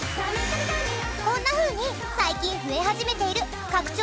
こんなふうに最近増え始めている拡張